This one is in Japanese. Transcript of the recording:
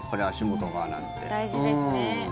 大事ですね。